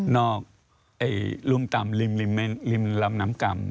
กรุ่มต่ำริมลำน้ำก่ำ